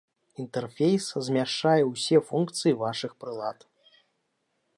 Інтэрфейс змяшчае ўсе функцыі вашых прылад.